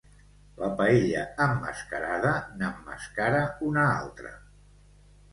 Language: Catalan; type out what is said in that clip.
La paella emmascarada n'emmascara una altra.